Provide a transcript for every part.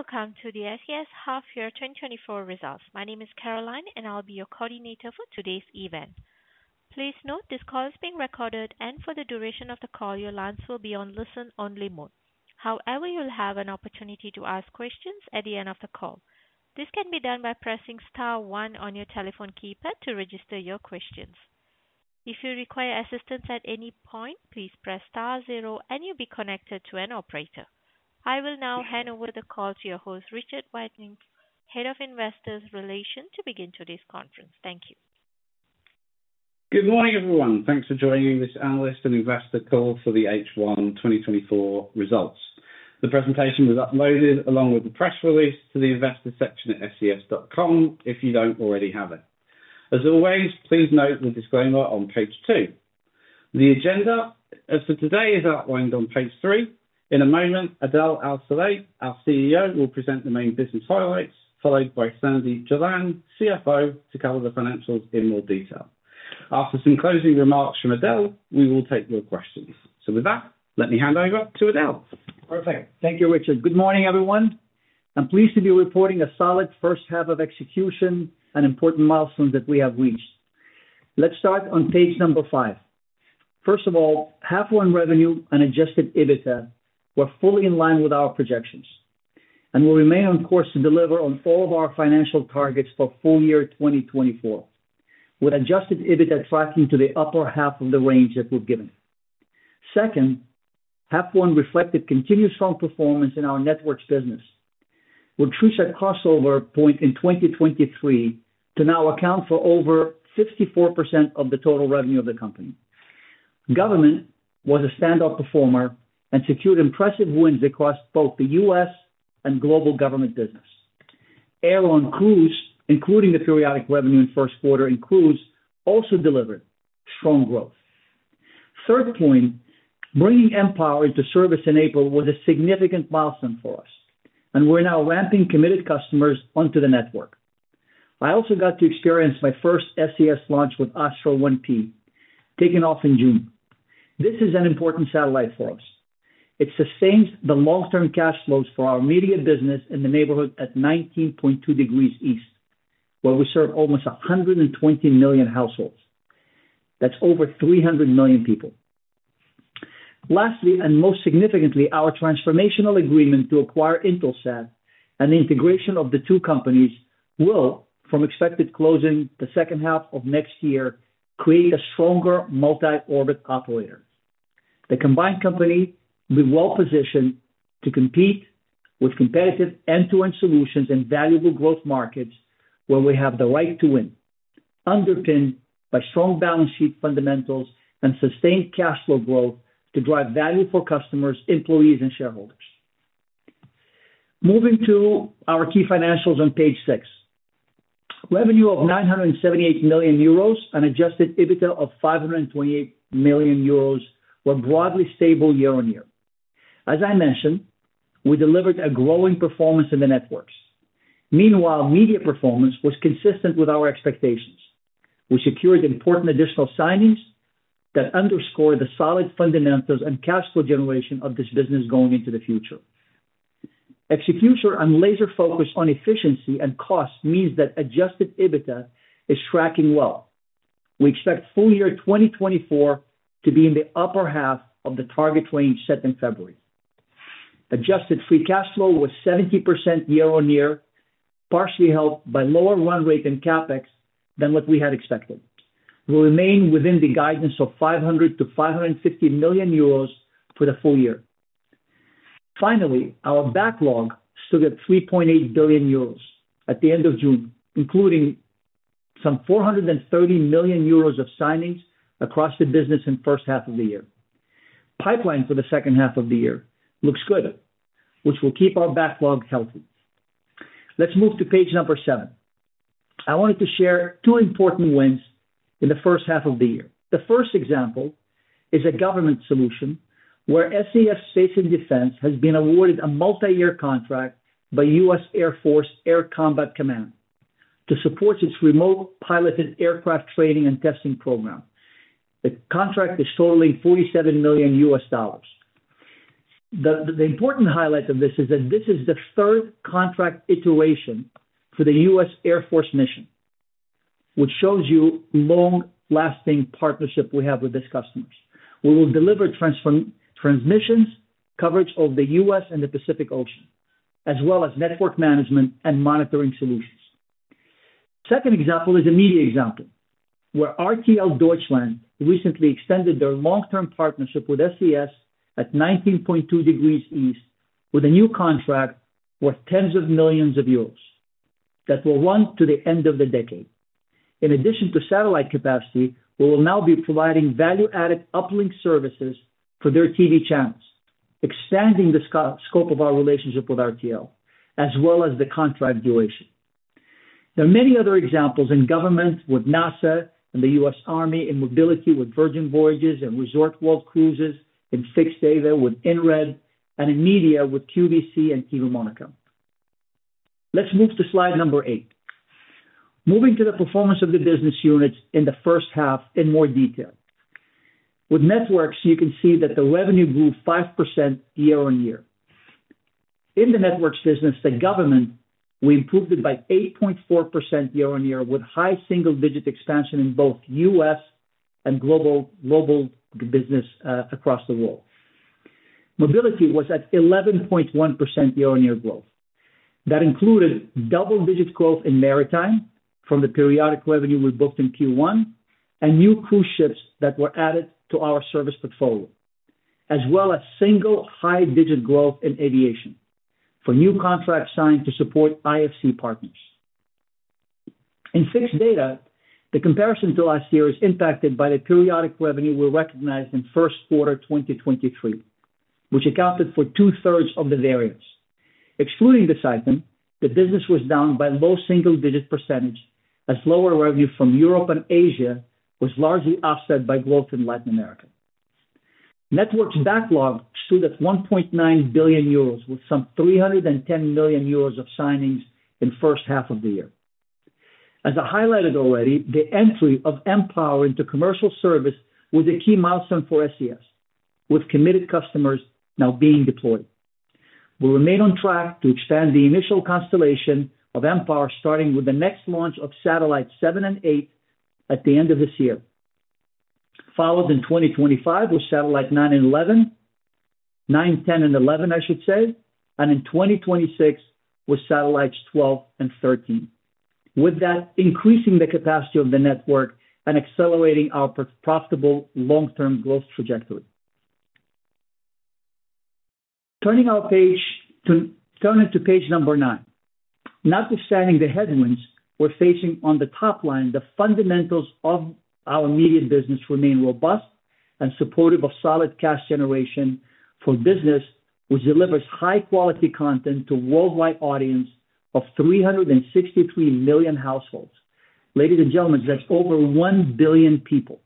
Hello and welcome to the SES Half-year 2024 Results. My name is Caroline, and I'll be your coordinator for today's event. Please note this call is being recorded, and for the duration of the call, your lines will be on listen-only mode. However, you'll have an opportunity to ask questions at the end of the call. This can be done by pressing star one on your telephone keypad to register your questions. If you require assistance at any point, please press star zero, and you'll be connected to an operator. I will now hand over the call to your host, Richard Whiteing, Head of Investor Relations, to begin today's conference. Thank you. Good morning, everyone. Thanks for joining this analyst and investor call for the H1 2024 results. The presentation was uploaded along with the press release to the investor section at ses.com if you don't already have it. As always, please note the disclaimer on page 2. The agenda for today is outlined on page 3. In a moment, Adel Al-Saleh, our CEO, will present the main business highlights, followed by Sandeep Jalan, CFO, to cover the financials in more detail. After some closing remarks from Adel, we will take your questions. With that, let me hand over to Adel. Perfect. Thank you, Richard. Good morning, everyone. I'm pleased to be reporting a solid first half of execution and important milestones that we have reached. Let's start on page 5. First of all, half-one revenue and Adjusted EBITDA were fully in line with our projections and will remain on course to deliver on all of our financial targets for full year 2024, with Adjusted EBITDA tracking to the upper half of the range that we've given. Second, half-one reflected continued strong performance in our networks business, which pushed our crossover point in 2023 to now account for over 54% of the total revenue of the company. Government was a standout performer and secured impressive wins across both the U.S. and global government business. Airlines, including the periodic revenue in first quarter, and cruises also delivered strong growth. Third point, bringing mPOWER into service in April was a significant milestone for us, and we're now ramping committed customers onto the network. I also got to experience my first SES launch with Astra 1P, taking off in June. This is an important satellite for us. It sustains the long-term cash flows for our media business in the neighborhood at 19.2 degrees east, where we serve almost 120 million households. That's over 300 million people. Lastly, and most significantly, our transformational agreement to acquire Intelsat and the integration of the two companies will, from expected closing the second half of next year, create a stronger multi-orbit operator. The combined company will be well positioned to compete with competitive end-to-end solutions and valuable growth markets where we have the right to win, underpinned by strong balance sheet fundamentals and sustained cash flow growth to drive value for customers, employees, and shareholders. Moving to our key financials on page 6, revenue of 978 million euros and adjusted EBITDA of 528 million euros were broadly stable year on year. As I mentioned, we delivered a growing performance in the networks. Meanwhile, media performance was consistent with our expectations. We secured important additional signings that underscore the solid fundamentals and cash flow generation of this business going into the future. Execution and laser focus on efficiency and cost means that adjusted EBITDA is tracking well. We expect full year 2024 to be in the upper half of the target range set in February. Adjusted free cash flow was 70% year-on-year, partially helped by lower run rate and CapEx than what we had expected. We'll remain within the guidance of €500-€550 million for the full year. Finally, our backlog stood at €3.8 billion at the end of June, including some €430 million of signings across the business in the first half of the year. Pipeline for the second half of the year looks good, which will keep our backlog healthy. Let's move to page number seven. I wanted to share two important wins in the first half of the year. The first example is a government solution where SES Space & Defense has been awarded a multi-year contract by U.S. Air Force Air Combat Command to support its remote piloted aircraft training and testing program. The contract is totaling $47 million. The important highlight of this is that this is the third contract iteration for the U.S. Air Force mission, which shows you the long-lasting partnership we have with these customers. We will deliver transmissions, coverage of the U.S. and the Pacific Ocean, as well as network management and monitoring solutions. The second example is a media example where RTL Deutschland recently extended their long-term partnership with SES at 19.2 degrees East with a new contract worth tens of millions EUR that will run to the end of the decade. In addition to satellite capacity, we will now be providing value-added uplink services for their TV channels, expanding the scope of our relationship with RTL, as well as the contract duration. There are many other examples in government with NASA and the U.S. Army in mobility with Virgin Voyages and Resorts World Cruises in fixed data with Inred and in media with QVC and TV Monaco. Let's move to slide number 8. Moving to the performance of the business units in the first half in more detail. With networks, you can see that the revenue grew 5% year-on-year. In the networks business, the government, we improved it by 8.4% year-on-year with high single-digit expansion in both U.S. and global business across the world. Mobility was at 11.1% year-on-year growth. That included double-digit growth in maritime from the periodic revenue we booked in Q1 and new cruise ships that were added to our service portfolio, as well as single high-digit growth in aviation for new contracts signed to support IFC partners. In fixed data, the comparison to last year is impacted by the periodic revenue we recognized in first quarter 2023, which accounted for two-thirds of the variance. Excluding this item, the business was down by a low single-digit % as lower revenue from Europe and Asia was largely offset by growth in Latin America. Networks backlog stood at 1.9 billion euros with some 310 million euros of signings in the first half of the year. As I highlighted already, the entry of mPOWER into commercial service was a key milestone for SES, with committed customers now being deployed. We remain on track to expand the initial constellation of mPOWER, starting with the next launch of satellites 7 and 8 at the end of this year, followed in 2025 with satellite 9 and 11, 9, 10, and 11, I should say, and in 2026 with satellites 12 and 13, with that increasing the capacity of the network and accelerating our profitable long-term growth trajectory. Turning our page to turn into page number 9, notwithstanding the headwinds we're facing on the top line, the fundamentals of our media business remain robust and supportive of solid cash generation for business, which delivers high-quality content to a worldwide audience of 363 million households. Ladies and gentlemen, that's over 1 billion people.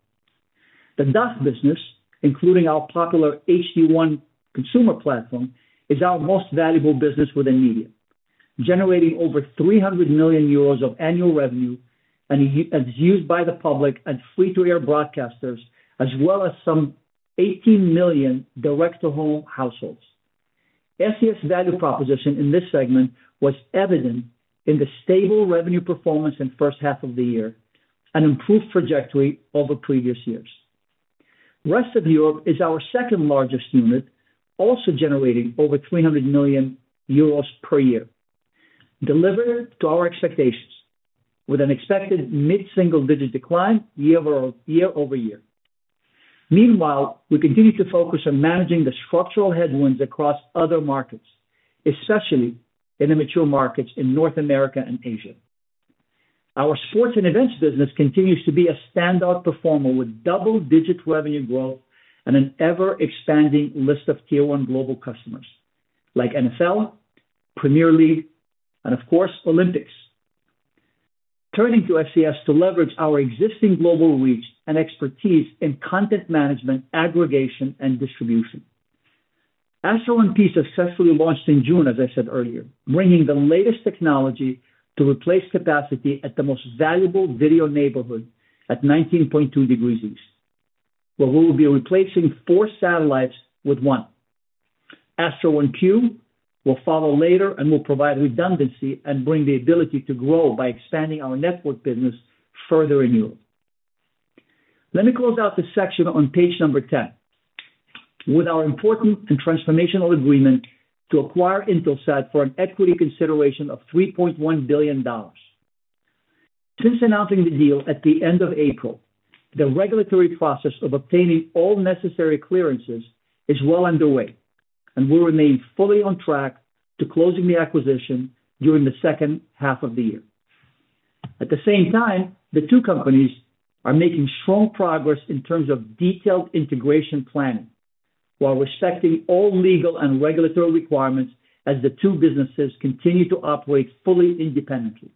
The DAF business, including our popular H-D1 consumer platform, is our most valuable business within media, generating over 300 million euros of annual revenue and is used by the public and free-to-air broadcasters, as well as some 18 million direct-to-home households. SES' value proposition in this segment was evident in the stable revenue performance in the first half of the year and improved trajectory over previous years. Rest of Europe is our second-largest unit, also generating over 300 million euros per year, delivering to our expectations with an expected mid-single-digit decline year-over-year. Meanwhile, we continue to focus on managing the structural headwinds across other markets, especially in the mature markets in North America and Asia. Our sports and events business continues to be a standout performer with double-digit revenue growth and an ever-expanding list of tier-one global customers like NFL, Premier League, and of course, Olympics. Turning to SES to leverage our existing global reach and expertise in content management, aggregation, and distribution. Astra 1P successfully launched in June, as I said earlier, bringing the latest technology to replace capacity at the most valuable video neighborhood at 19.2 degrees East, where we will be replacing four satellites with one. Astra 1Q will follow later and will provide redundancy and bring the ability to grow by expanding our network business further in Europe. Let me close out this section on page number 10, with our important and transformational agreement to acquire Intelsat for an equity consideration of $3.1 billion. Since announcing the deal at the end of April, the regulatory process of obtaining all necessary clearances is well underway, and we'll remain fully on track to closing the acquisition during the second half of the year. At the same time, the two companies are making strong progress in terms of detailed integration planning while respecting all legal and regulatory requirements as the two businesses continue to operate fully independently.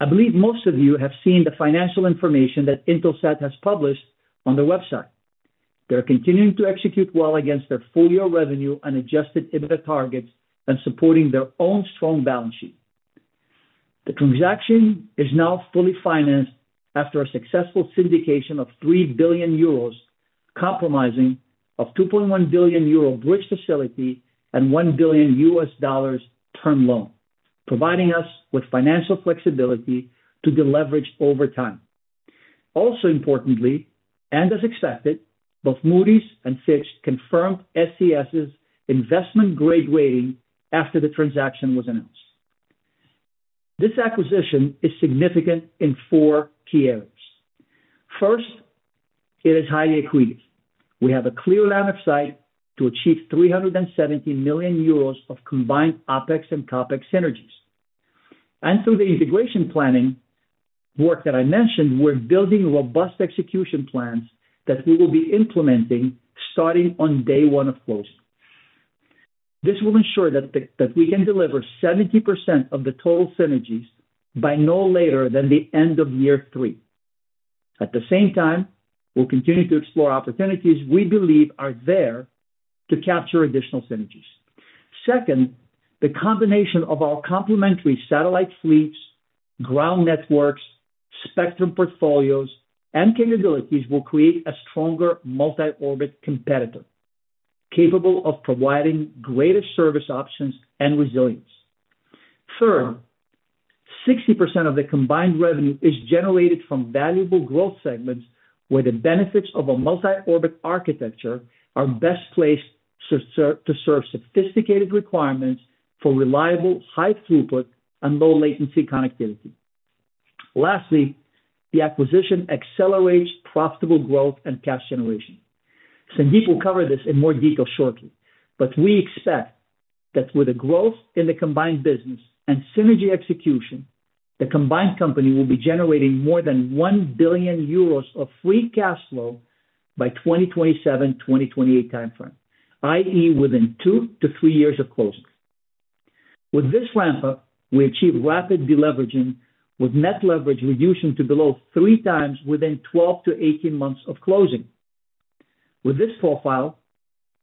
I believe most of you have seen the financial information that Intelsat has published on their website. They're continuing to execute well against their full year revenue and Adjusted EBITDA targets and supporting their own strong balance sheet. The transaction is now fully financed after a successful syndication of 3 billion euros, comprising of a 2.1 billion euro bridge facility and $1 billion term loan, providing us with financial flexibility to deleverage over time. Also importantly, and as expected, both Moody's and Fitch confirmed SES's investment-grade rating after the transaction was announced. This acquisition is significant in four key areas. First, it is highly accretive. We have a clear line of sight to achieve 370 million euros of combined OpEx and CapEx synergies, and through the integration planning work that I mentioned, we're building robust execution plans that we will be implementing starting on day one of closing. This will ensure that we can deliver 70% of the total synergies by no later than the end of year three. At the same time, we'll continue to explore opportunities we believe are there to capture additional synergies. Second, the combination of our complementary satellite fleets, ground networks, spectrum portfolios, and capabilities will create a stronger multi-orbit competitor capable of providing greater service options and resilience. Third, 60% of the combined revenue is generated from valuable growth segments where the benefits of a multi-orbit architecture are best placed to serve sophisticated requirements for reliable high-throughput and low-latency connectivity. Lastly, the acquisition accelerates profitable growth and cash generation. Sandeep will cover this in more detail shortly, but we expect that with the growth in the combined business and synergy execution, the combined company will be generating more than 1 billion euros of free cash flow by the 2027-2028 timeframe, i.e., within two to three years of closing. With this ramp-up, we achieve rapid deleveraging, with net leverage reducing to below three times within 12-18 months of closing. With this profile,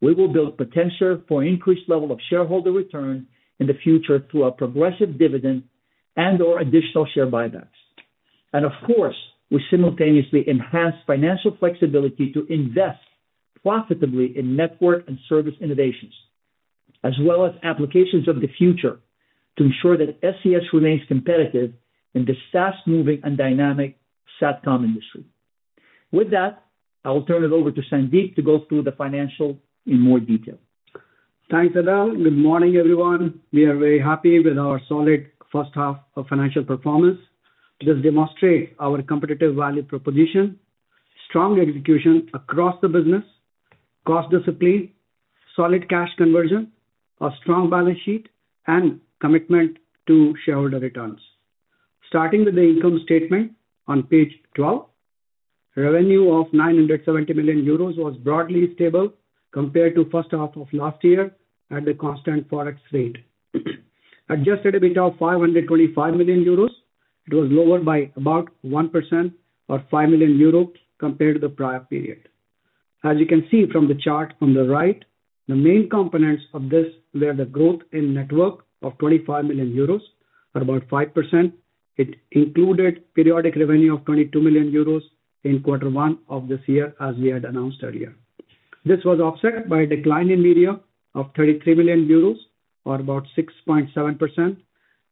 we will build potential for an increased level of shareholder return in the future through our progressive dividend and/or additional share buybacks. And of course, we simultaneously enhance financial flexibility to invest profitably in network and service innovations, as well as applications of the future to ensure that SES remains competitive in the fast-moving and dynamic satcom industry. With that, I will turn it over to Sandeep to go through the financial in more detail. Thanks, Adel. Good morning, everyone. We are very happy with our solid first half of financial performance. This demonstrates our competitive value proposition, strong execution across the business, cost discipline, solid cash conversion, a strong balance sheet, and commitment to shareholder returns. Starting with the income statement on page 12, revenue of 970 million euros was broadly stable compared to the first half of last year at the constant forex rate. Adjusted EBITDA of 525 million euros. It was lower by about 1% or 5 million euros compared to the prior period. As you can see from the chart on the right, the main components of this were the growth in network of 25 million euros, or about 5%. It included periodic revenue of 22 million euros in quarter one of this year, as we had announced earlier. This was offset by a decline in media of 33 million euros, or about 6.7%,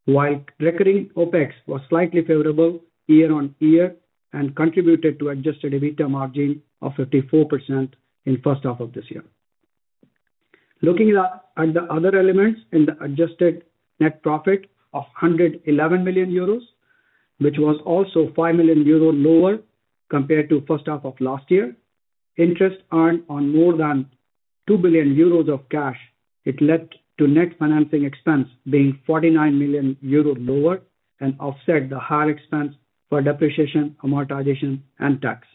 while recurring OpEx was slightly favorable year on year and contributed to an adjusted EBITDA margin of 54% in the first half of this year. Looking at the other elements in the adjusted net profit of 111 million euros, which was also 5 million euro lower compared to the first half of last year, interest earned on more than 2 billion euros of cash, it led to net financing expense being 49 million euro lower and offset the higher expense for depreciation, amortization, and tax.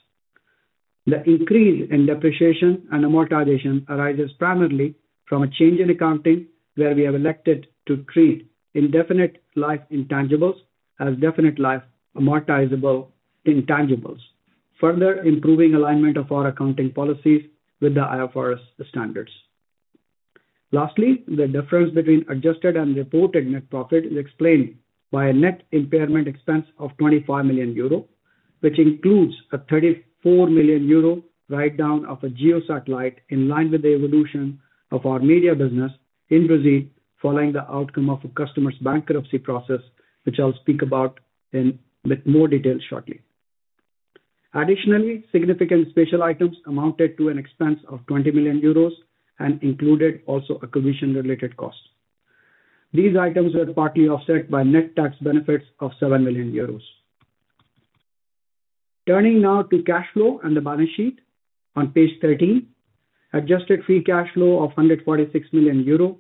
The increase in depreciation and amortization arises primarily from a change in accounting where we have elected to treat indefinite life intangibles as definite life amortizable intangibles, further improving alignment of our accounting policies with the IFRS standards. Lastly, the difference between adjusted and reported net profit is explained by a net impairment expense of 25 million euro, which includes a 34 million euro write-down of a geosatellite in line with the evolution of our media business in Brazil following the outcome of a customer's bankruptcy process, which I'll speak about in more detail shortly. Additionally, significant special items amounted to an expense of 20 million euros and included also acquisition-related costs. These items were partly offset by net tax benefits of 7 million euros. Turning now to cash flow and the balance sheet, on page 13, adjusted free cash flow of 146 million euro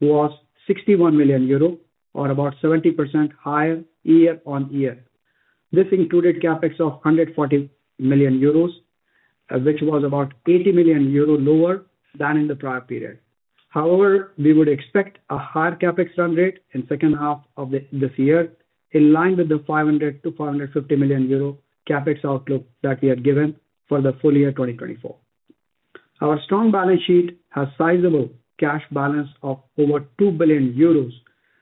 was 61 million euro, or about 70% higher year-over-year. This included CapEx of 140 million euros, which was about 80 million euro lower than in the prior period. However, we would expect a higher CapEx run rate in the second half of this year in line with the 500 million-550 million euro CapEx outlook that we are given for the full year 2024. Our strong balance sheet has a sizable cash balance of over 2 billion euros,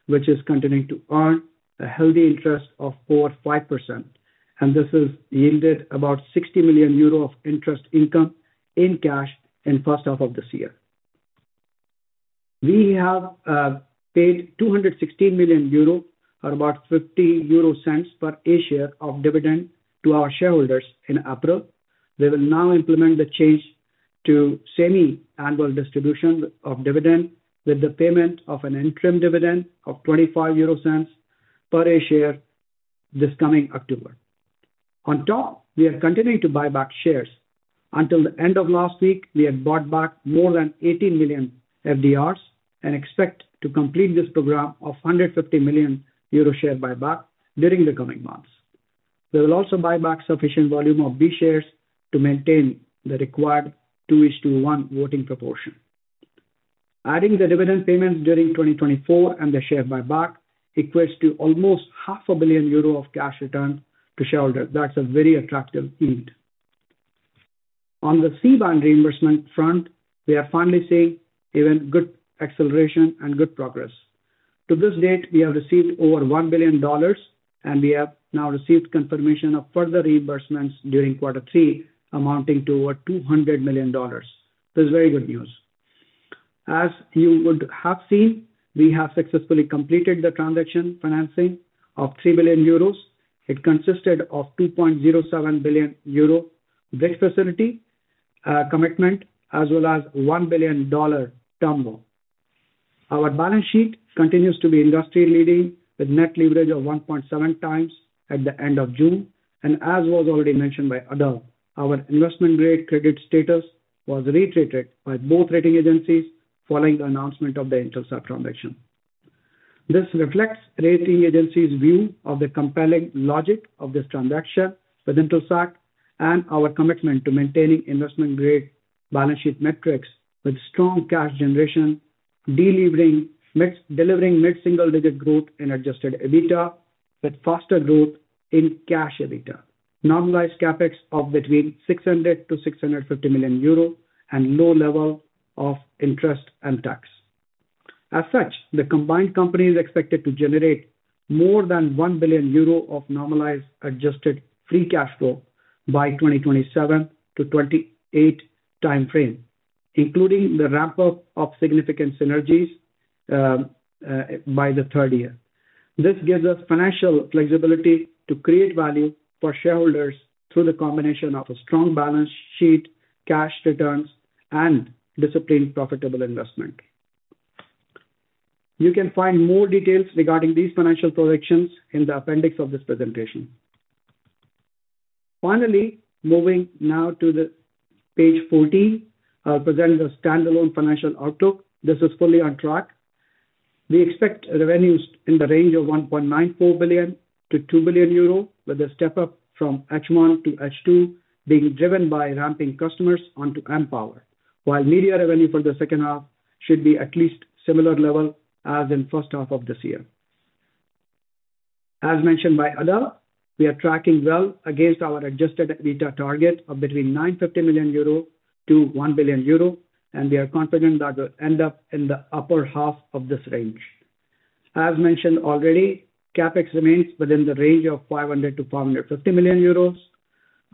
which is continuing to earn a healthy interest of over 5%, and this has yielded about 60 million euro of interest income in cash in the first half of this year. We have paid 216 million euro, or about 0.50 per A-share of dividend to our shareholders in April. We will now implement the change to semi-annual distribution of dividend with the payment of an interim dividend of 0.25 per A-share this coming October. On top, we are continuing to buy back shares. Until the end of last week, we had bought back more than 18 million FDRs and expect to complete this program of 150 million euro share buyback during the coming months. We will also buy back sufficient volume of B shares to maintain the required 2:1 voting proportion. Adding the dividend payments during 2024 and the share buyback equates to almost 500 million euro of cash return to shareholders. That's a very attractive yield. On the C-band reimbursement front, we are finally seeing even good acceleration and good progress. To this date, we have received over $1 billion, and we have now received confirmation of further reimbursements during quarter three amounting to over $200 million. This is very good news. As you would have seen, we have successfully completed the transaction financing of 3 billion euros. It consisted of 2.07 billion euro bridge facility commitment as well as a $1 billion term loan. Our balance sheet continues to be industry-leading with net leverage of 1.7 times at the end of June. As was already mentioned by Adel, our investment-grade credit status was reiterated by both rating agencies following the announcement of the Intelsat transaction. This reflects rating agencies' view of the compelling logic of this transaction with Intelsat and our commitment to maintaining investment-grade balance sheet metrics with strong cash generation, delivering mid-single-digit growth in Adjusted EBITDA, with faster growth in cash EBITDA, normalized CapEx of between 600 million-650 million euro, and low level of interest and tax. As such, the combined company is expected to generate more than 1 billion euro of normalized adjusted free cash flow by the 2027 to 2028 timeframe, including the ramp-up of significant synergies by the third year. This gives us financial flexibility to create value for shareholders through the combination of a strong balance sheet, cash returns, and disciplined profitable investment. You can find more details regarding these financial projections in the appendix of this presentation. Finally, moving now to page 14, I'll present the standalone financial outlook. This is fully on track. We expect revenues in the range of 1.94 billion-2 billion euro, with the step-up from H1 to H2 being driven by ramping customers onto mPower, while media revenue for the second half should be at least at a similar level as in the first half of this year. As mentioned by Adel, we are tracking well against our Adjusted EBITDA target of between 950 million-1 billion euro, and we are confident that we'll end up in the upper half of this range. As mentioned already, CapEx remains within the range of 500 million-550 million euros.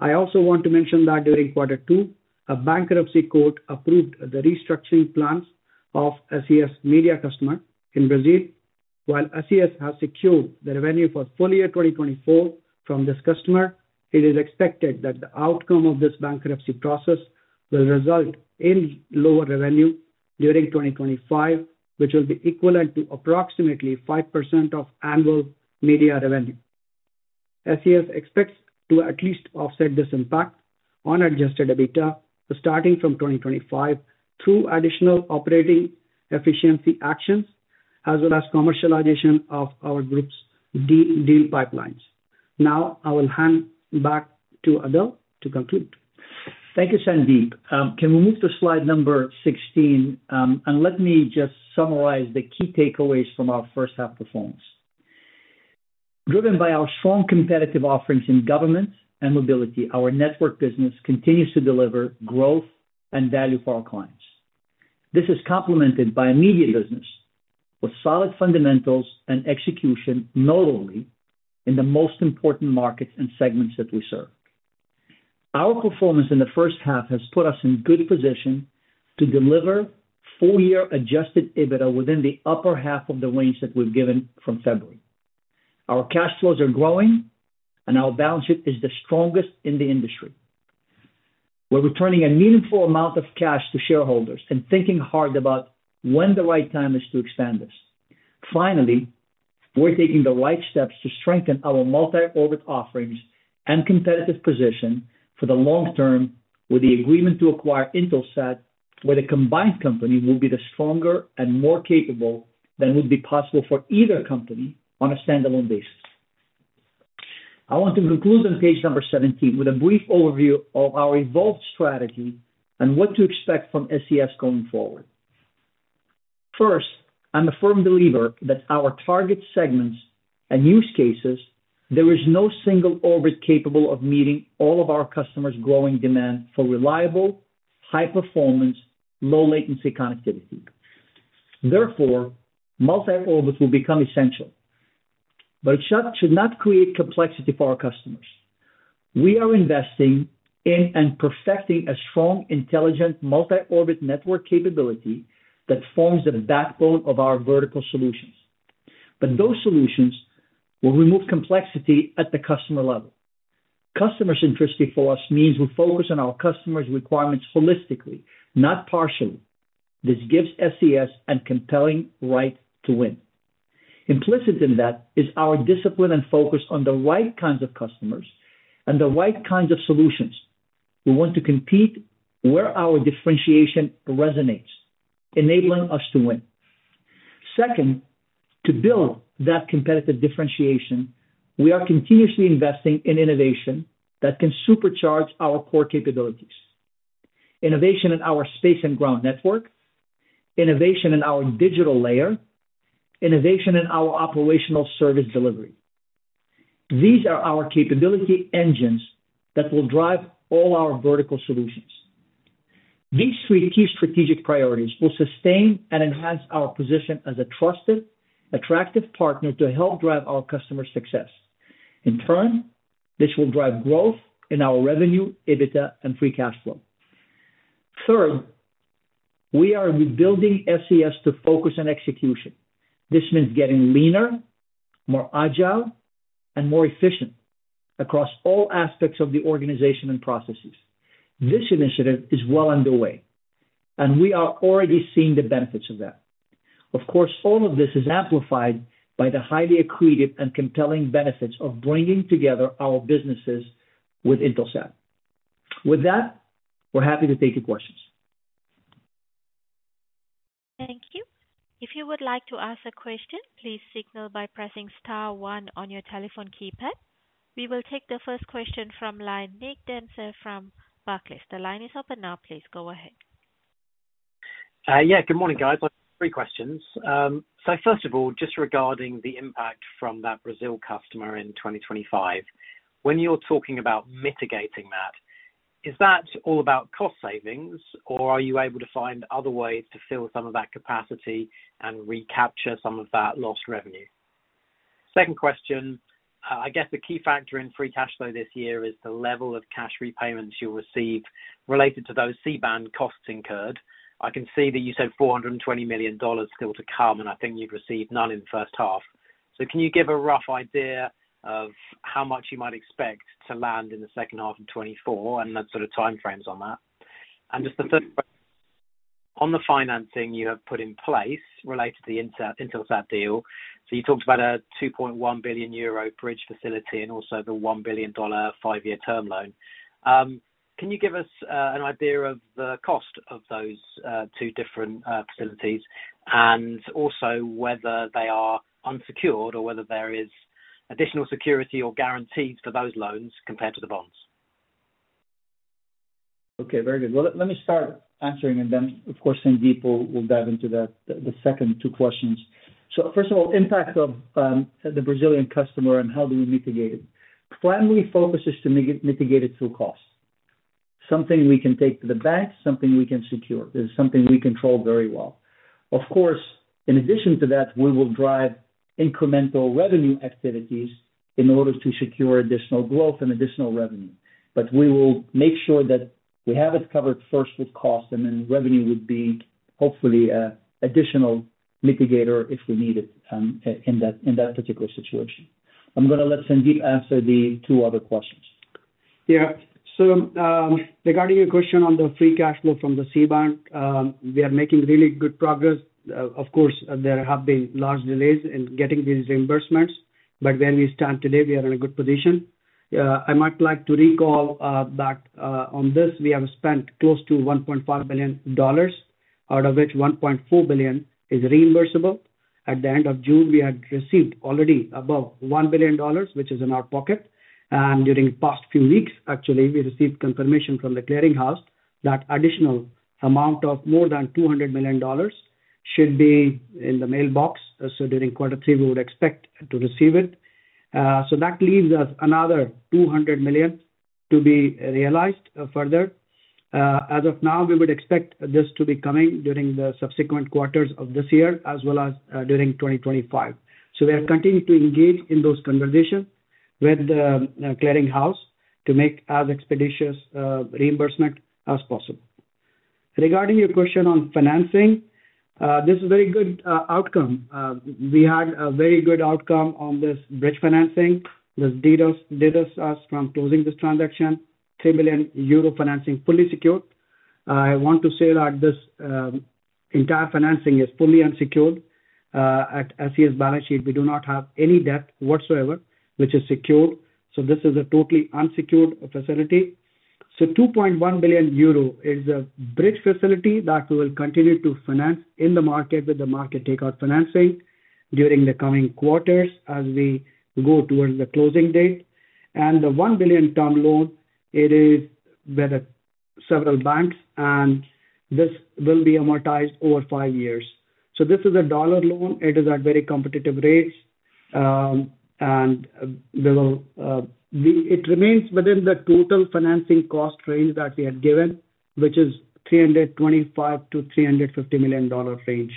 I also want to mention that during quarter two, a bankruptcy court approved the restructuring plans of SES media customer in Brazil. While SES has secured the revenue for full year 2024 from this customer, it is expected that the outcome of this bankruptcy process will result in lower revenue during 2025, which will be equivalent to approximately 5% of annual media revenue. SES expects to at least offset this impact on Adjusted EBITDA, starting from 2025 through additional operating efficiency actions as well as commercialization of our group's deal pipelines. Now, I will hand back to Adel to conclude. Thank you, Sandeep. Can we move to slide number 16? Let me just summarize the key takeaways from our first half performance. Driven by our strong competitive offerings in government and mobility, our network business continues to deliver growth and value for our clients. This is complemented by a media business with solid fundamentals and execution notably in the most important markets and segments that we serve. Our performance in the first half has put us in good position to deliver full-year Adjusted EBITDA within the upper half of the range that we've given from February. Our cash flows are growing, and our balance sheet is the strongest in the industry. We're returning a meaningful amount of cash to shareholders and thinking hard about when the right time is to expand this. Finally, we're taking the right steps to strengthen our multi-orbit offerings and competitive position for the long term with the agreement to acquire Intelsat, where the combined company will be stronger and more capable than would be possible for either company on a standalone basis. I want to conclude on page number 17 with a brief overview of our evolved strategy and what to expect from SES going forward. First, I'm a firm believer that our target segments and use cases, there is no single orbit capable of meeting all of our customers' growing demand for reliable, high-performance, low-latency connectivity. Therefore, multi-orbit will become essential, but it should not create complexity for our customers. We are investing in and perfecting a strong, intelligent multi-orbit network capability that forms the backbone of our vertical solutions. But those solutions will remove complexity at the customer level. Customer centricity for us means we focus on our customers' requirements holistically, not partially. This gives SES a compelling right to win. Implicit in that is our discipline and focus on the right kinds of customers and the right kinds of solutions. We want to compete where our differentiation resonates, enabling us to win. Second, to build that competitive differentiation, we are continuously investing in innovation that can supercharge our core capabilities: innovation in our space and ground network, innovation in our digital layer, innovation in our operational service delivery. These are our capability engines that will drive all our vertical solutions. These three key strategic priorities will sustain and enhance our position as a trusted, attractive partner to help drive our customer success. In turn, this will drive growth in our revenue, EBITDA, and free cash flow. Third, we are rebuilding SES to focus on execution. This means getting leaner, more agile, and more efficient across all aspects of the organization and processes. This initiative is well underway, and we are already seeing the benefits of that. Of course, all of this is amplified by the highly accretive and compelling benefits of bringing together our businesses with Intelsat. With that, we're happy to take your questions. Thank you. If you would like to ask a question, please signal by pressing star one on your telephone keypad. We will take the first question from line Nick Dempsey from Barclays. The line is open now. Please go ahead. Yeah. Good morning, guys. I've got three questions. So first of all, just regarding the impact from that Brazil customer in 2025, when you're talking about mitigating that, is that all about cost savings, or are you able to find other ways to fill some of that capacity and recapture some of that lost revenue? Second question, I guess the key factor in free cash flow this year is the level of cash repayments you'll receive related to those C-band costs incurred. I can see that you said $420 million still to come, and I think you've received none in the first half. So can you give a rough idea of how much you might expect to land in the second half of 2024 and sort of timeframes on that? And just the third question, on the financing you have put in place related to the Intelsat deal, so you talked about a 2.1 billion euro bridge facility and also the $1 billion five-year term loan. Can you give us an idea of the cost of those two different facilities and also whether they are unsecured or whether there is additional security or guarantees for those loans compared to the bonds? Okay. Very good. Well, let me start answering, and then, of course, in depth, we'll dive into the second two questions. So first of all, impact of the Brazilian customer and how do we mitigate it? Primary focus is to mitigate it through cost. Something we can take to the bank, something we can secure. This is something we control very well. Of course, in addition to that, we will drive incremental revenue activities in order to secure additional growth and additional revenue. But we will make sure that we have it covered first with cost, and then revenue would be hopefully an additional mitigator if we need it in that particular situation. I'm going to let Sandeep answer the two other questions. Yeah. So regarding your question on the free cash flow from the C-band, we are making really good progress. Of course, there have been large delays in getting these reimbursements, but where we stand today, we are in a good position. I might like to recall back on this. We have spent close to $1.5 billion, out of which $1.4 billion is reimbursable. At the end of June, we had received already above $1 billion, which is in our pocket. During the past few weeks, actually, we received confirmation from the clearing house that the additional amount of more than $200 million should be in the mailbox. During quarter three, we would expect to receive it. That leaves us another $200 million to be realized further. As of now, we would expect this to be coming during the subsequent quarters of this year as well as during 2025. We are continuing to engage in those conversations with the clearing house to make as expeditious reimbursement as possible. Regarding your question on financing, this is a very good outcome. We had a very good outcome on this bridge financing. This did us from closing this transaction. 3 billion euro financing fully secured. I want to say that this entire financing is fully unsecured. At SES balance sheet, we do not have any debt whatsoever, which is secured. So this is a totally unsecured facility. So 2.1 billion euro is a bridge facility that we will continue to finance in the market with the market takeout financing during the coming quarters as we go towards the closing date. And the 1 billion loan, it is with several banks, and this will be amortized over 5 years. So this is a dollar loan. It is at very competitive rates, and it remains within the total financing cost range that we had given, which is $325 million-$350 million range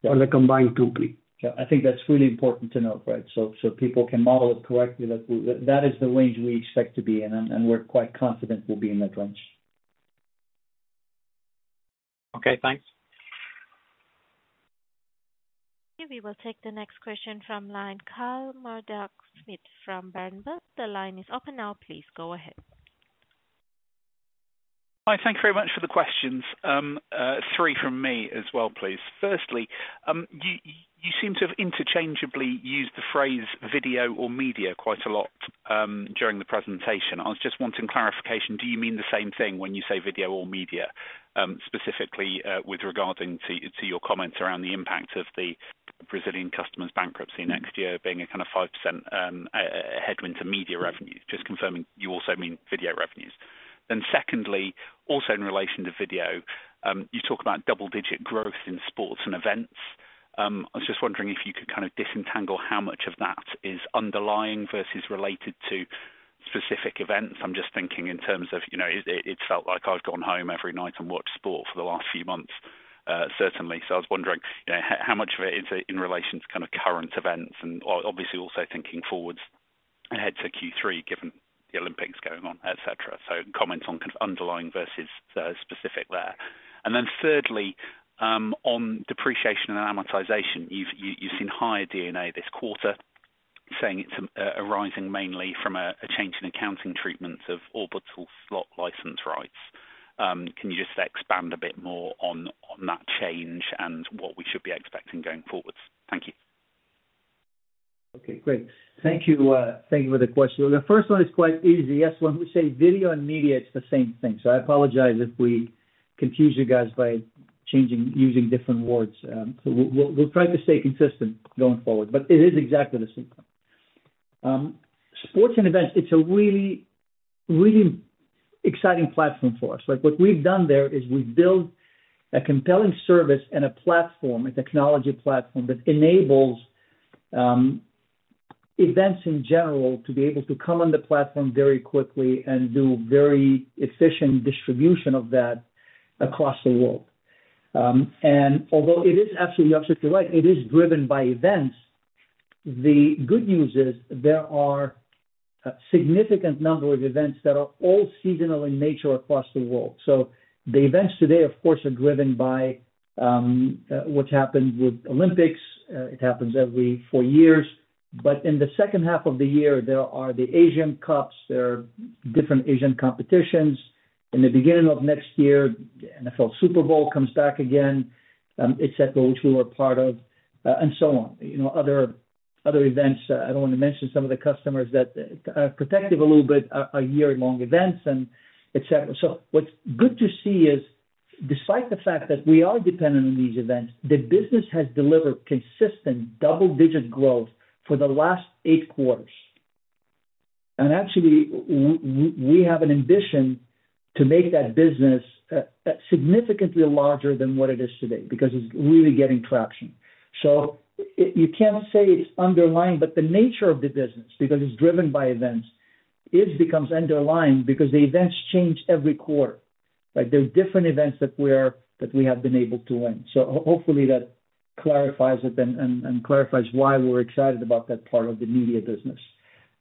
for the combined company. Yeah. I think that's really important to note, right? So people can model it correctly that that is the range we expect to be in, and we're quite confident we'll be in that range. Okay. Thanks. We will take the next question from the line of Carl Murdock-Smith from Berenberg. The line is open now. Please go ahead. Hi. Thank you very much for the questions. Three from me as well, please. Firstly, you seem to have interchangeably used the phrase video or media quite a lot during the presentation. I was just wanting clarification. Do you mean the same thing when you say video or media, specifically with regard to your comments around the impact of the Brazilian customer's bankruptcy next year being a kind of 5% headwind to media revenues? Just confirming you also mean video revenues. Then secondly, also in relation to video, you talk about double-digit growth in sports and events. I was just wondering if you could kind of disentangle how much of that is underlying versus related to specific events. I'm just thinking in terms of it felt like I've gone home every night and watched sport for the last few months, certainly. So I was wondering how much of it is in relation to kind of current events and obviously also thinking forwards ahead to Q3 given the Olympics going on, etc. So comments on kind of underlying versus specific there. And then thirdly, on depreciation and amortization, you've seen higher D&A this quarter, saying it's arising mainly from a change in accounting treatment of orbital's slot license rights. Can you just expand a bit more on that change and what we should be expecting going forwards? Thank you. Okay. Great. Thank you for the question. The first one is quite easy. Yes. When we say video and media, it's the same thing. So I apologize if we confuse you guys by using different words. So we'll try to stay consistent going forward, but it is exactly the same thing. Sports and events, it's a really exciting platform for us. What we've done there is we've built a compelling service and a technology platform that enables events in general to be able to come on the platform very quickly and do very efficient distribution of that across the world. And although it is absolutely right, it is driven by events. The good news is there are a significant number of events that are all seasonal in nature across the world. So the events today, of course, are driven by what's happened with Olympics. It happens every four years. But in the second half of the year, there are the Asian Cups. There are different Asian competitions. In the beginning of next year, the NFL Super Bowl comes back again, etc., which we were a part of, and so on. Other events, I don't want to mention some of the customers that are protective a little bit, are year-long events, etc. So what's good to see is, despite the fact that we are dependent on these events, the business has delivered consistent double-digit growth for the last eight quarters. And actually, we have an ambition to make that business significantly larger than what it is today because it's really getting traction. So you can't say it's underlying, but the nature of the business, because it's driven by events, it becomes underlying because the events change every quarter. There are different events that we have been able to win. So hopefully, that clarifies it and clarifies why we're excited about that part of the media business.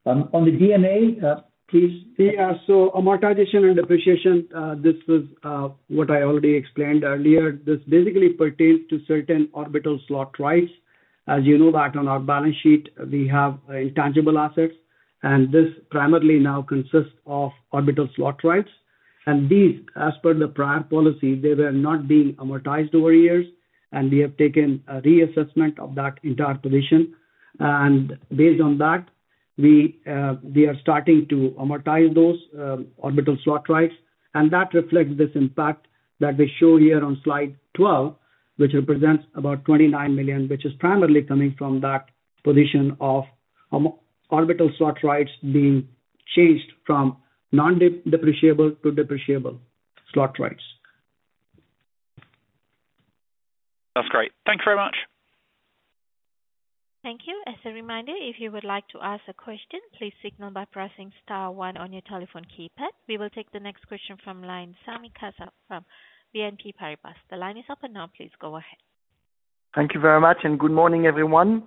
On the D&A, please. Yeah. So amortization and depreciation, this is what I already explained earlier. This basically pertains to certain orbital slot rights. As you know, back on our balance sheet, we have intangible assets, and this primarily now consists of orbital slot rights. These, as per the prior policy, they were not being amortized over years, and we have taken a reassessment of that entire position. Based on that, we are starting to amortize those orbital slot rights. That reflects this impact that we show here on slide 12, which represents about $29 million, which is primarily coming from that position of orbital slot rights being changed from non-depreciable to depreciable slot rights. That's great. Thank you very much. Thank you. As a reminder, if you would like to ask a question, please signal by pressing star one on your telephone keypad. We will take the next question from Sami Kassab from BNP Paribas. The line is open now. Please go ahead. Thank you very much. Good morning, everyone.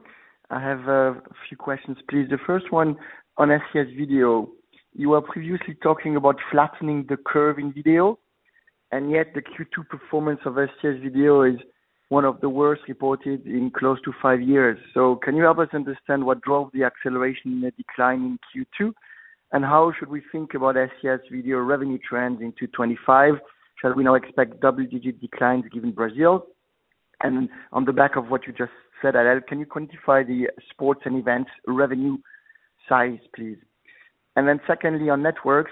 I have a few questions, please. The first one on SES video. You were previously talking about flattening the curve in video, and yet the Q2 performance of SES video is one of the worst reported in close to five years. So can you help us understand what drove the acceleration and the decline in Q2, and how should we think about SES video revenue trends in 2025? Shall we now expect double-digit declines given Brazil? And on the back of what you just said, Adel, can you quantify the sports and events revenue size, please? And then secondly, on networks,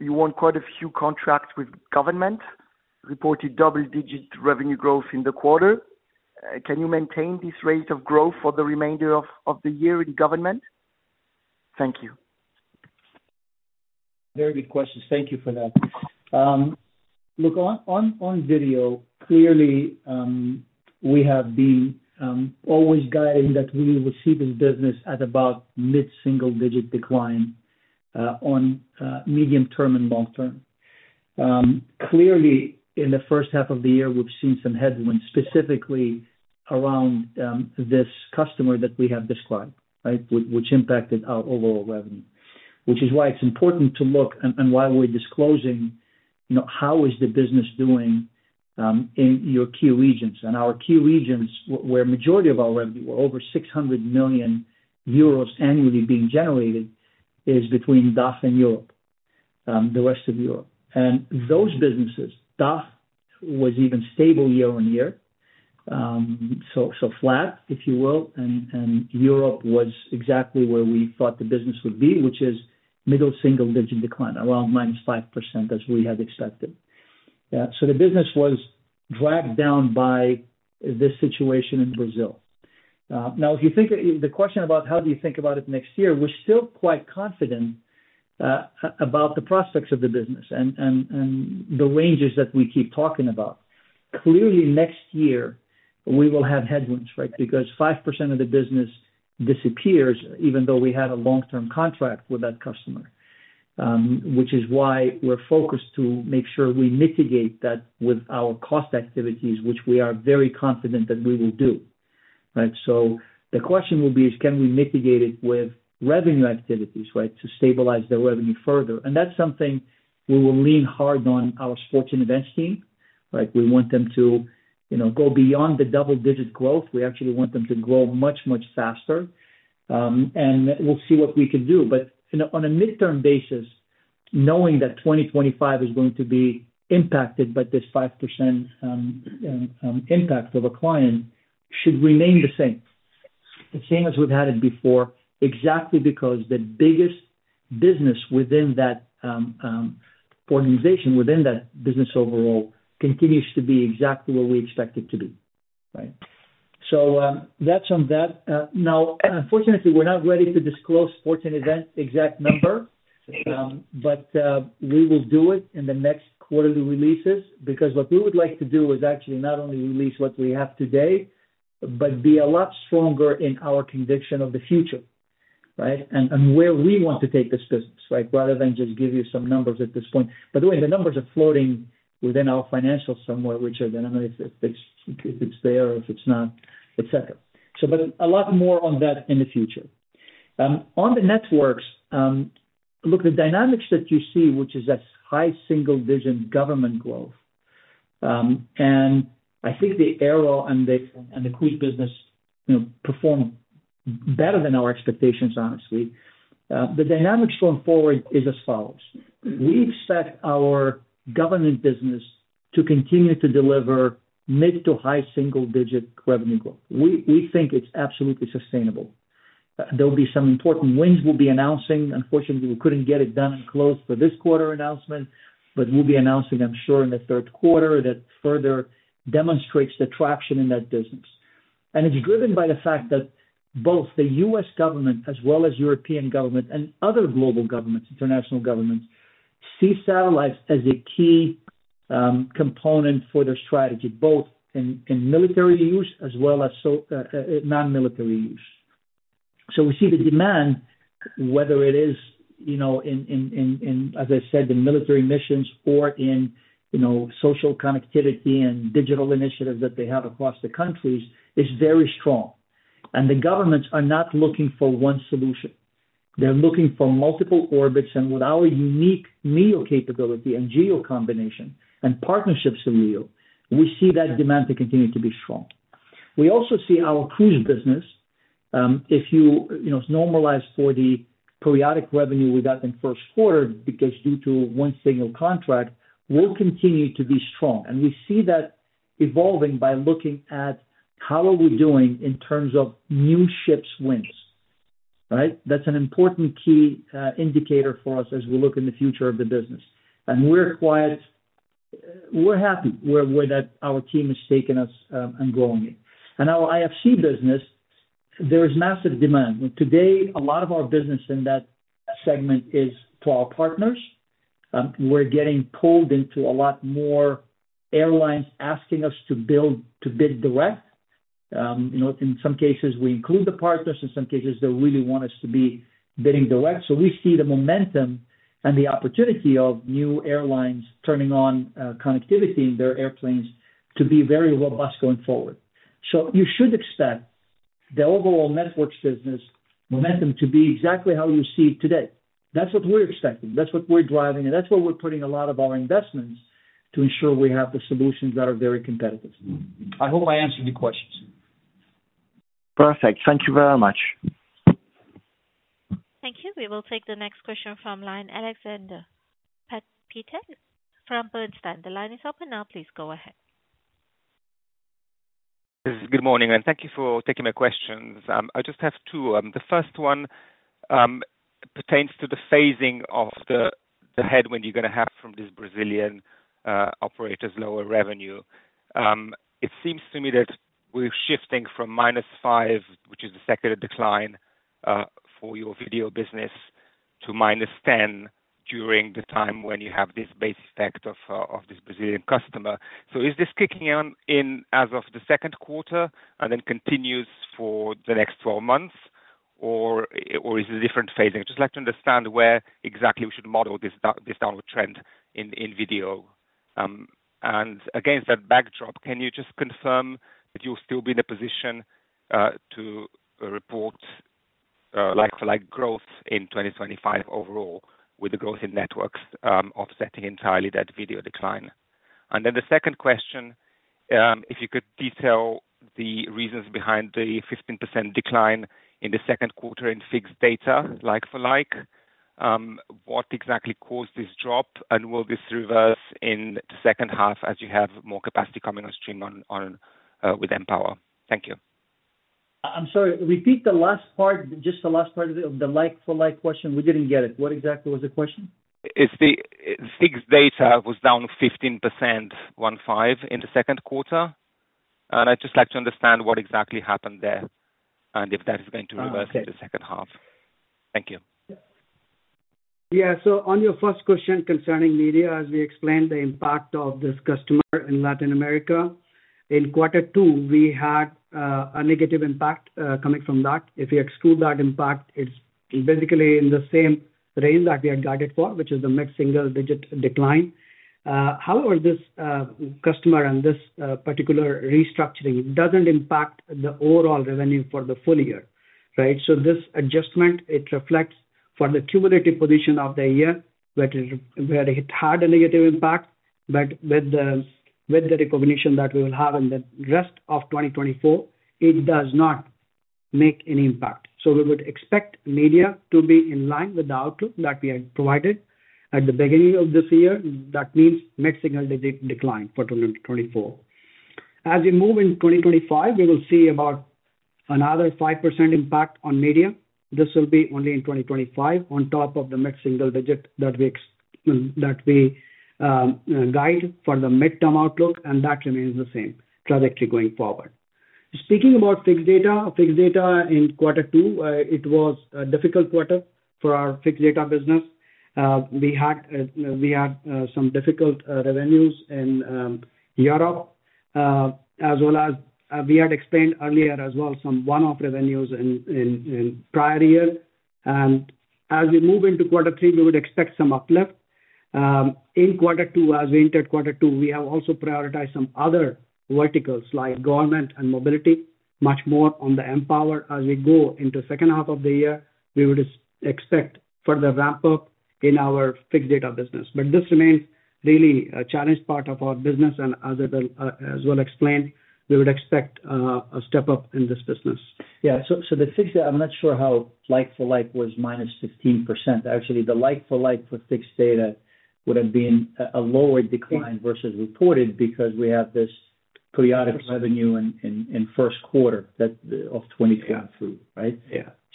you want quite a few contracts with government reported double-digit revenue growth in the quarter. Can you maintain this rate of growth for the remainder of the year in government? Thank you. Very good questions. Thank you for that. Look, on video, clearly, we have been always guiding that we will see this business at about mid-single-digit decline on medium term and long term. Clearly, in the first half of the year, we've seen some headwinds, specifically around this customer that we have described, right, which impacted our overall revenue, which is why it's important to look and why we're disclosing how is the business doing in your key regions. And our key regions, where the majority of our revenue were over 600 million euros annually being generated, is between DAF and Europe, the rest of Europe. And those businesses, DAF was even stable year-on-year, so flat, if you will, and Europe was exactly where we thought the business would be, which is middle single-digit decline, around -5%, as we had expected. So the business was dragged down by this situation in Brazil. Now, if you think the question about how do you think about it next year, we're still quite confident about the prospects of the business and the ranges that we keep talking about. Clearly, next year, we will have headwinds, right, because 5% of the business disappears, even though we had a long-term contract with that customer, which is why we're focused to make sure we mitigate that with our cost activities, which we are very confident that we will do, right? So the question will be, can we mitigate it with revenue activities, right, to stabilize the revenue further? And that's something we will lean hard on our sports and events team, right? We want them to go beyond the double-digit growth. We actually want them to grow much, much faster. And we'll see what we can do. But on a midterm basis, knowing that 2025 is going to be impacted by this 5% impact of a client should remain the same, the same as we've had it before, exactly because the biggest business within that organization, within that business overall, continues to be exactly where we expect it to be, right? So that's on that. Now, unfortunately, we're not ready to disclose sports and events' exact number, but we will do it in the next quarterly releases because what we would like to do is actually not only release what we have today, but be a lot stronger in our conviction of the future, right, and where we want to take this business, right, rather than just give you some numbers at this point. By the way, the numbers are floating within our financials somewhere, Richard. I don't know if it's there or if it's not, etc. But a lot more on that in the future. On the networks, look, the dynamics that you see, which is that high single-digit government growth, and I think the Aero and the Cruise business perform better than our expectations, honestly. The dynamics going forward is as follows. We expect our government business to continue to deliver mid- to high single-digit revenue growth. We think it's absolutely sustainable. There'll be some important wins we'll be announcing. Unfortunately, we couldn't get it done and closed for this quarter announcement, but we'll be announcing, I'm sure, in the third quarter that further demonstrates the traction in that business. And it's driven by the fact that both the U.S. government, as well as European government and other global governments, international governments, see satellites as a key component for their strategy, both in military use as well as non-military use. We see the demand, whether it is, as I said, in military missions or in social connectivity and digital initiatives that they have across the countries, is very strong. The governments are not looking for one solution. They're looking for multiple orbits. With our unique MEO capability and GEO combination and partnerships with MEO, we see that demand to continue to be strong. We also see our cruise business, if you normalize for the periodic revenue we got in first quarter because due to one single contract, will continue to be strong. We see that evolving by looking at how are we doing in terms of new ships wins, right? That's an important key indicator for us as we look in the future of the business. We're quite happy that our team is taking us and growing it. Our IFC business, there is massive demand. Today, a lot of our business in that segment is to our partners. We're getting pulled into a lot more airlines asking us to bid direct. In some cases, we include the partners. In some cases, they really want us to be bidding direct. So we see the momentum and the opportunity of new airlines turning on connectivity in their airplanes to be very robust going forward. So you should expect the overall networks business momentum to be exactly how you see it today. That's what we're expecting. That's what we're driving. And that's where we're putting a lot of our investments to ensure we have the solutions that are very competitive. I hope I answered your questions. Perfect. Thank you very much. Thank you. We will take the next question from line Aleksander Peterc from Bernstein. The line is open now. Please go ahead. Good morning. Thank you for taking my questions. I just have two. The first one pertains to the phasing of the headwind you're going to have from this Brazilian operator's lower revenue. It seems to me that we're shifting from -5, which is the second decline for your video business, to -10 during the time when you have this base effect of this Brazilian customer. So is this kicking in as of the second quarter and then continues for the next 12 months, or is it a different phasing? I'd just like to understand where exactly we should model this downward trend in video. Against that backdrop, can you just confirm that you'll still be in a position to report like-for-like growth in 2025 overall with the growth in networks offsetting entirely that video decline? And then the second question, if you could detail the reasons behind the 15% decline in the second quarter in fixed data like-for-like, what exactly caused this drop, and will this reverse in the second half as you have more capacity coming on stream with Empower? Thank you. I'm sorry. Repeat the last part, just the last part of the like-for-like question. We didn't get it. What exactly was the question? Fixed data was down 15%, 1.5% in the second quarter. And I'd just like to understand what exactly happened there and if that is going to reverse in the second half. Thank you. Yeah. So on your first question concerning media, as we explained the impact of this customer in Latin America, in quarter two, we had a negative impact coming from that. If we exclude that impact, it's basically in the same range that we had guided for, which is the mid-single-digit decline. However, this customer and this particular restructuring doesn't impact the overall revenue for the full year, right? So this adjustment, it reflects for the cumulative position of the year where it had a negative impact, but with the recognition that we will have in the rest of 2024, it does not make any impact. So we would expect media to be in line with the outlook that we had provided at the beginning of this year. That means mid-single-digit decline for 2024. As we move in 2025, we will see about another 5% impact on media. This will be only in 2025 on top of the mid-single-digit that we guide for the midterm outlook, and that remains the same trajectory going forward. Speaking about fixed data, fixed data in quarter two, it was a difficult quarter for our fixed data business. We had some difficult revenues in Europe, as well as we had explained earlier as well some one-off revenues in prior year. As we move into quarter three, we would expect some uplift. In quarter two, as we entered quarter two, we have also prioritized some other verticals like government and mobility much more on the Empower. As we go into the second half of the year, we would expect further ramp-up in our fixed data business. But this remains really a challenged part of our business, and as I will explain, we would expect a step up in this business. Yeah. So the fixed data, I'm not sure how like-for-like was -15%. Actually, the like-for-like for fixed data would have been a lower decline versus reported because we have this periodic revenue in first quarter of 2023, right?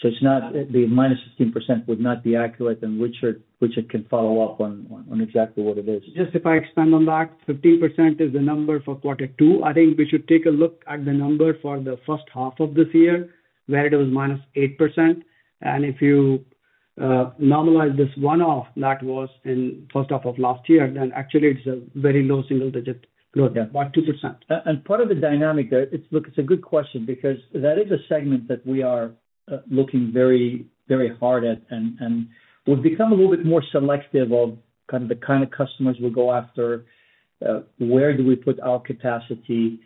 So it's not the minus 15% would not be accurate, and Richard can follow up on exactly what it is. Just if I expand on that, 15% is the number for quarter two. I think we should take a look at the number for the first half of this year, where it was -8%. And if you normalize this one-off that was in the first half of last year, then actually it's a very low single-digit growth, about 2%. Part of the dynamic there, look, it's a good question because that is a segment that we are looking very, very hard at, and we've become a little bit more selective of kind of the kind of customers we go after, where do we put our capacity,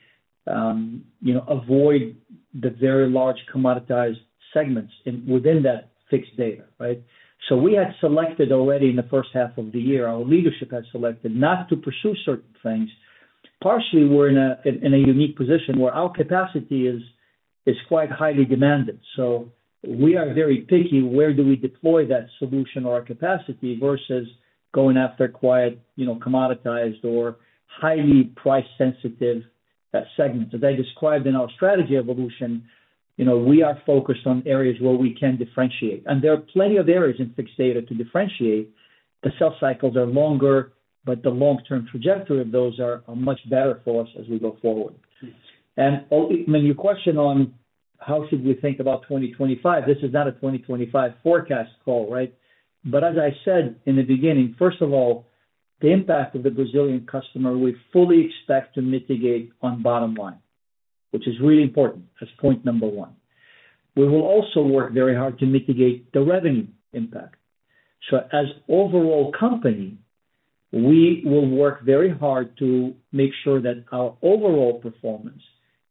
avoid the very large commoditized segments within that fixed data, right? So we had selected already in the first half of the year. Our leadership had selected not to pursue certain things. Partially, we're in a unique position where our capacity is quite highly demanded. So we are very picky where do we deploy that solution or our capacity versus going after quite commoditized or highly price-sensitive segments. As I described in our strategy evolution, we are focused on areas where we can differentiate. There are plenty of areas in fixed data to differentiate. The sales cycles are longer, but the long-term trajectory of those are much better for us as we go forward. And when you question on how should we think about 2025, this is not a 2025 forecast call, right? But as I said in the beginning, first of all, the impact of the Brazilian customer, we fully expect to mitigate on bottom line, which is really important as point number one. We will also work very hard to mitigate the revenue impact. So as an overall company, we will work very hard to make sure that our overall performance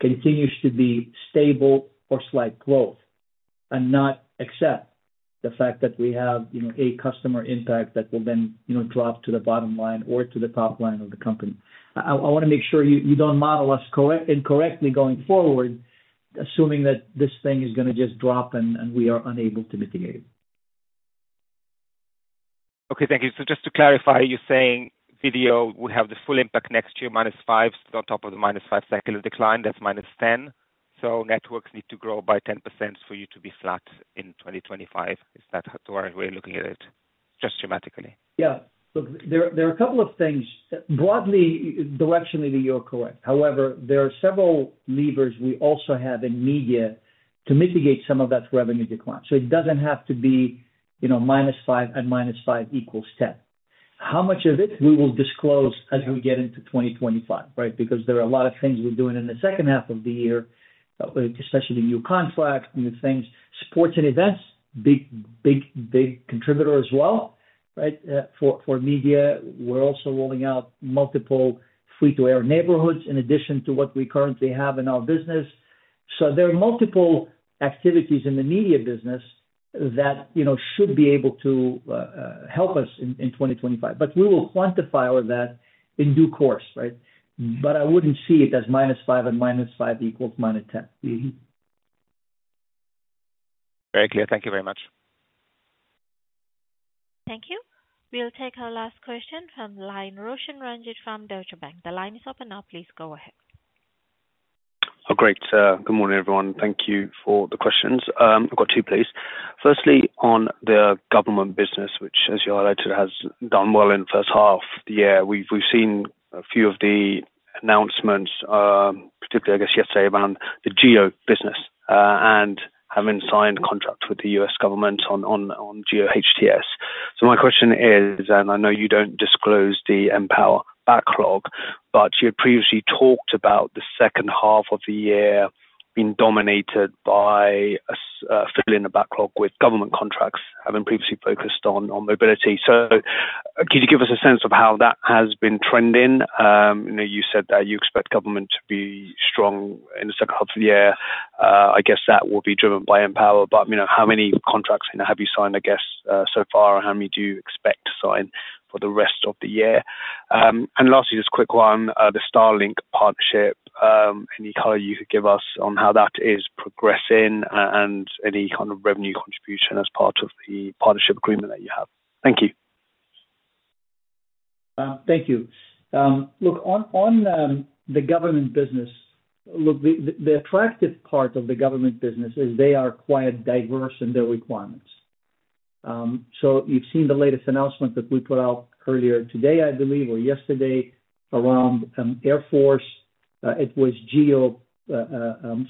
continues to be stable or slight growth and not accept the fact that we have a customer impact that will then drop to the bottom line or to the top line of the company. I want to make sure you don't model us incorrectly going forward, assuming that this thing is going to just drop and we are unable to mitigate it. Okay. Thank you. So just to clarify, you're saying video will have the full impact next year, -5%, still on top of the -5% cycle of decline. That's -10%. So networks need to grow by 10% for you to be flat in 2025. Is that the way you're looking at it, just dramatically? Yeah. Look, there are a couple of things. Broadly, directionally, you're correct. However, there are several levers we also have in media to mitigate some of that revenue decline. So it doesn't have to be -5% and -5% equals 10%. How much of it we will disclose as we get into 2025, right? Because there are a lot of things we're doing in the second half of the year, especially new contracts, new things. Sports and events, big contributor as well, right, for media. We're also rolling out multiple free-to-air neighborhoods in addition to what we currently have in our business. So there are multiple activities in the media business that should be able to help us in 2025. But we will quantify all of that in due course, right? But I wouldn't see it as -5 and -5 equals -10. Very clear. Thank you very much. Thank you. We'll take our last question from Roshan Ranjit from Deutsche Bank. The line is open now. Please go ahead. Oh, great. Good morning, everyone. Thank you for the questions. I've got two, please. Firstly, on the government business, which, as you highlighted, has done well in the first half of the year, we've seen a few of the announcements, particularly, I guess, yesterday around the GEO business and having signed contracts with the U.S. government on GEO HTS. So my question is, and I know you don't disclose the Empower backlog, but you had previously talked about the second half of the year being dominated by filling the backlog with government contracts, having previously focused on mobility. So could you give us a sense of how that has been trending? You said that you expect government to be strong in the second half of the year. I guess that will be driven by Empower. But how many contracts have you signed, I guess, so far, and how many do you expect to sign for the rest of the year? Lastly, just a quick one, the Starlink partnership, any color you could give us on how that is progressing and any kind of revenue contribution as part of the partnership agreement that you have? Thank you. Thank you. Look, on the government business, look, the attractive part of the government business is they are quite diverse in their requirements. So you've seen the latest announcement that we put out earlier today, I believe, or yesterday around Air Force. It was GEO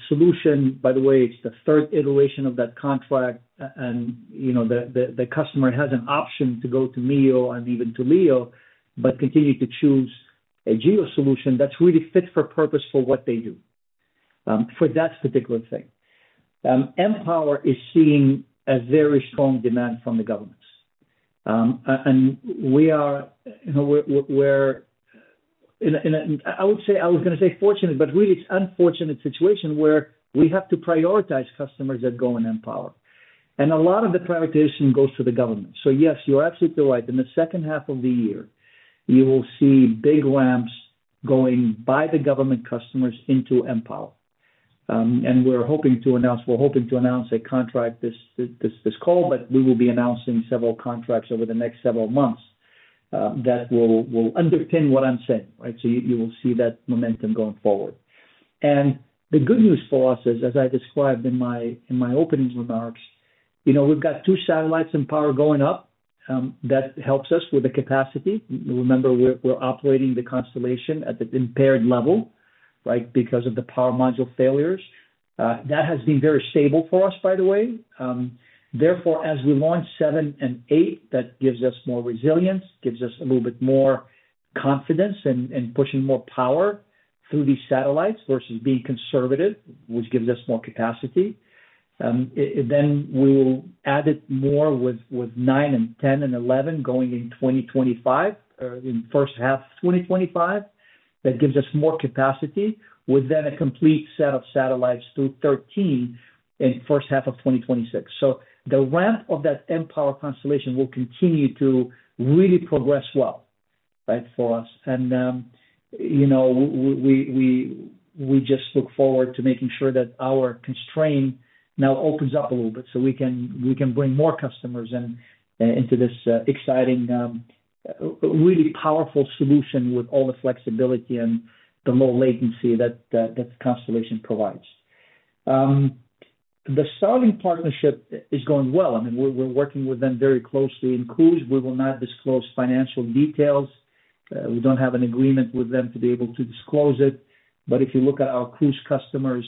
solution. By the way, it's the third iteration of that contract. And the customer has an option to go to MEO and even to LEO, but continue to choose a GEO solution that's really fit for purpose for what they do for that particular thing. Empower is seeing a very strong demand from the governments. We are in a, I would say, I was going to say fortunate, but really, it's an unfortunate situation where we have to prioritize customers that go in mPOWER. A lot of the prioritization goes to the government. So yes, you're absolutely right. In the second half of the year, you will see big ramps going by the government customers into mPOWER. And we're hoping to announce, we're hoping to announce a contract this call, but we will be announcing several contracts over the next several months that will underpin what I'm saying, right? So you will see that momentum going forward. And the good news for us is, as I described in my opening remarks, we've got two satellites in mPOWER going up. That helps us with the capacity. Remember, we're operating the constellation at an impaired level, right, because of the power module failures. That has been very stable for us, by the way. Therefore, as we launch 7 and 8, that gives us more resilience, gives us a little bit more confidence in pushing more power through these satellites versus being conservative, which gives us more capacity. Then we will add it more with 9 and 10 and 11 going in 2025, in the first half of 2025. That gives us more capacity with then a complete set of satellites through 13 in the first half of 2026. So the ramp of that mPOWER constellation will continue to really progress well, right, for us. And we just look forward to making sure that our constraint now opens up a little bit so we can bring more customers into this exciting, really powerful solution with all the flexibility and the low latency that the constellation provides. The Starlink partnership is going well. I mean, we're working with them very closely in cruise. We will not disclose financial details. We don't have an agreement with them to be able to disclose it. But if you look at our cruise customers,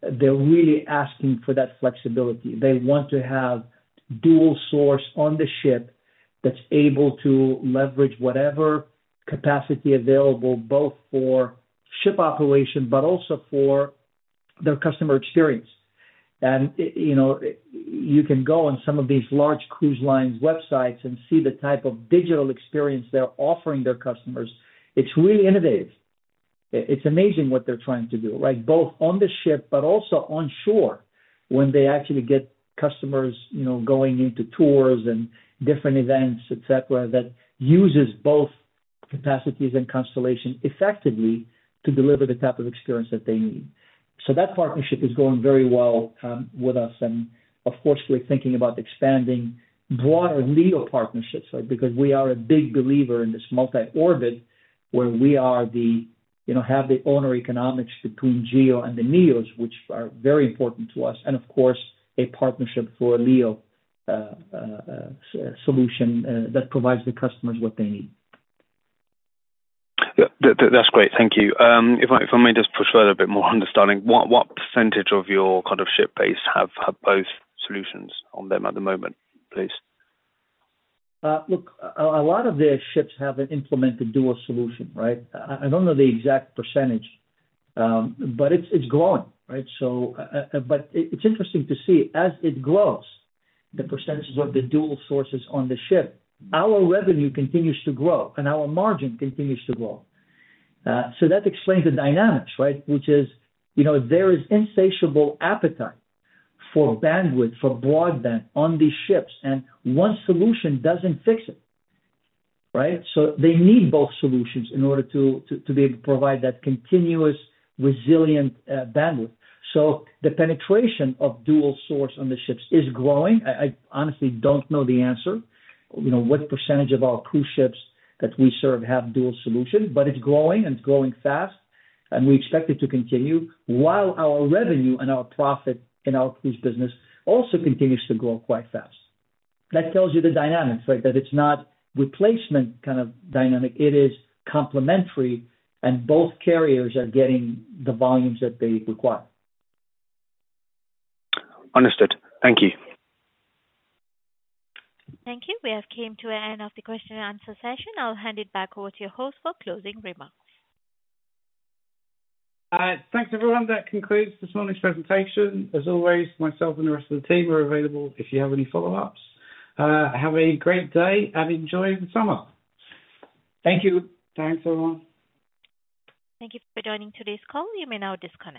they're really asking for that flexibility. They want to have dual source on the ship that's able to leverage whatever capacity available both for ship operation, but also for their customer experience. And you can go on some of these large cruise lines' websites and see the type of digital experience they're offering their customers. It's really innovative. It's amazing what they're trying to do, right, both on the ship, but also on shore when they actually get customers going into tours and different events, etc., that uses both capacities and constellation effectively to deliver the type of experience that they need. So that partnership is going very well with us. Of course, we're thinking about expanding broader LEO partnerships, right, because we are a big believer in this multi-orbit where we have the own economics between GEO and the MEOs, which are very important to us. Of course, a partnership for a LEO solution that provides the customers what they need. That's great. Thank you. If I may just push further a bit more understanding, what percentage of your kind of ship base have both solutions on them at the moment, please? Look, a lot of their ships have an implemented dual solution, right? I don't know the exact percentage, but it's growing, right? But it's interesting to see as it grows, the percentages of the dual sources on the ship, our revenue continues to grow and our margin continues to grow. So that explains the dynamics, right, which is there is insatiable appetite for bandwidth, for broadband on these ships. And one solution doesn't fix it, right? So they need both solutions in order to be able to provide that continuous resilient bandwidth. So the penetration of dual source on the ships is growing. I honestly don't know the answer, what percentage of our cruise ships that we serve have dual solution, but it's growing and it's growing fast. And we expect it to continue while our revenue and our profit in our cruise business also continues to grow quite fast. That tells you the dynamics, right, that it's not replacement kind of dynamic. It is complementary, and both carriers are getting the volumes that they require. Understood. Thank you. Thank you. We have come to an end of the question and answer session. I'll hand it back over to your host for closing remarks. Thanks, everyone. That concludes this morning's presentation. As always, myself and the rest of the team are available if you have any follow-ups. Have a great day and enjoy the summer. Thank you. Thanks, everyone. Thank you for joining today's call. You may now disconnect.